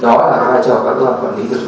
đây là giải pháp căn cơ